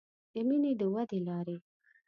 د مینې د ودې لارې